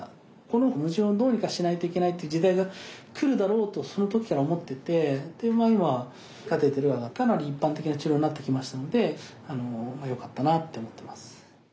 この矛盾をどうにかしないといけないっていう時代がくるだろうとその時から思ってて今カテーテルがかなり一般的な治療になってきましたのでよかったなって思ってます。